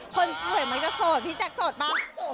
คนดมือมันก็โศดพี่แจ๊คโศดปะ